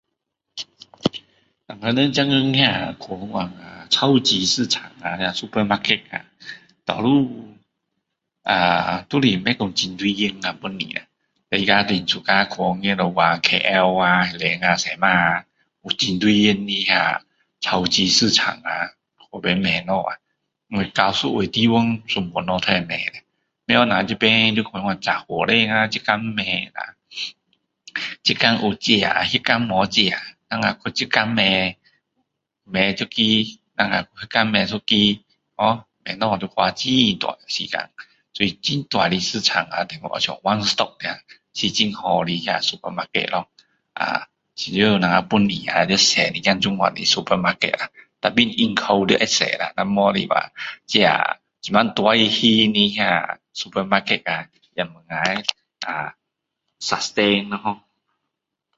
我们人现今人去那种啊超级市场啊supermarket 啊多数啊都是不会很大间啊本地的啊大家都是去出去外面啊西马啊有很大间的超级市场啊去那边买东西啊我到一个地方全部东西都会买的不会像我们这边那样杂货店啊这间买一下这间有这个那间没有这个然后在这间买一个那间买一个ho买东西就要花很大时间就是很多的市场像one stop啊就是很好的market 像我们本地啊就是要很多这样的supermarket 咯tapi人口要很多啦不然的话这这么大型的supermarket 啊也不能够啊sustain 啦ho